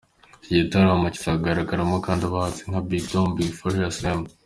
Iki gitaramo kizagaragaramo kandi bahanzi nka Big Dom, Big Farious, M.